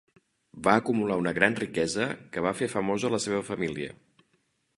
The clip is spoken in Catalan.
Va acumular una gran riquesa que va fer famosa la seva família.